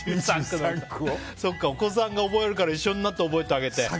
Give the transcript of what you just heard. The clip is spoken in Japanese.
お子さんが覚えるから一緒になって覚えてあげて。